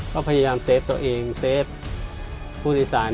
ก็พยายามเซฟตัวเองเซฟผู้โดยสาร